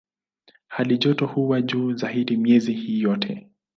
Halijoto huwa juu zaidi miezi hii yote.